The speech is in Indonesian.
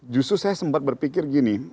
justru saya sempat berpikir gini